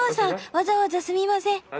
わざわざすみません。